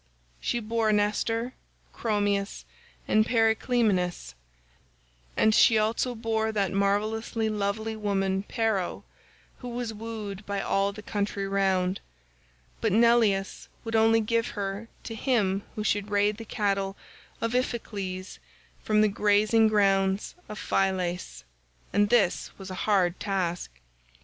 She bore Nestor, Chromius, and Periclymenus, and she also bore that marvellously lovely woman Pero, who was wooed by all the country round; but Neleus would only give her to him who should raid the cattle of Iphicles from the grazing grounds of Phylace, and this was a hard task.